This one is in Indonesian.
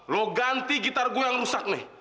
lo ganti gitar gue yang rusak nih